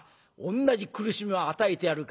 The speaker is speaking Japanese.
同じ苦しみを与えてやるからな。